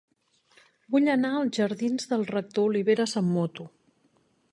Vull anar a la jardins del Rector Oliveras amb moto.